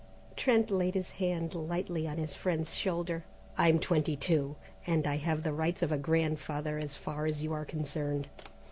Trent laid his hand lightly on his friend's shoulder. "I'm twenty two, and I have the rights of a grandfather as far as you are concerned.